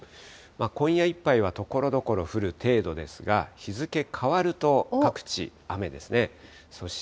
今夜いっぱいはところどころ降る程度ですが、日付変わると、各地雨ですね。